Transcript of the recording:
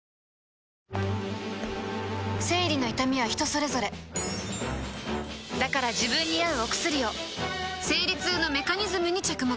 生理の痛みは人それぞれだから自分に合うお薬を生理痛のメカニズムに着目